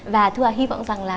và thu hà hy vọng rằng là